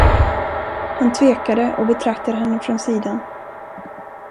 Han tvekade och betraktade henne från sidan.